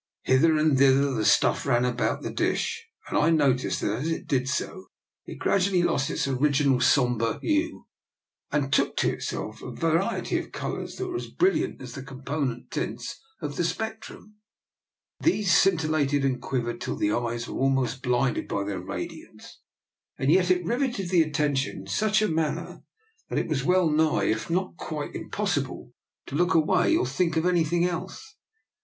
Hither and thither the stuff ran about the dish, and I noticed that as it did so it gradually lost its original sombre hue and took to itself a va riety of colours that were as brilliant as the component tints of the spectrum. These scintillated and quivered till the eyes were al most blinded by their radiance, and yet it riveted the attention in such a manner that it 54 DR. NIKOLA'S EXPERIMENT. was well nigh, if not quite, impossible to look away or to think of anything else.